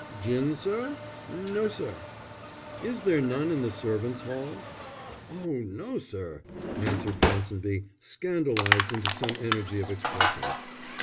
"Gin, sir? No, sir." "Is there none in the servants' hall?" "Oh no, sir!" answered Ponsonby, scandalized into some energy of expression.